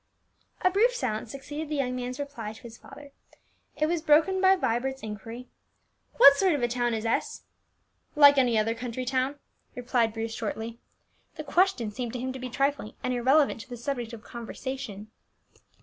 A brief silence succeeded the young man's reply to his father; it was broken by Vibert's inquiry, "What sort of a town is S ?" "Like any other county town," replied Bruce shortly. The question seemed to him to be trifling, and irrelevant to the subject of conversation.